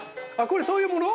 これそういうもの